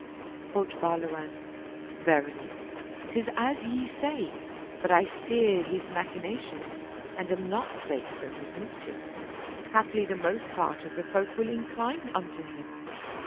Quoth Bahluwan, " Verily, 'tis as ye say ; but I fear his machinations and am not safe from his mis chief; haply the most part of the folk will incline unto him."